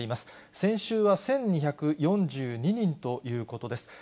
先週は１２４２人ということです。